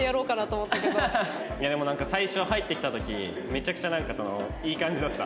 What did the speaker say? でもなんか最初入ってきた時めちゃくちゃなんかそのいい感じだった。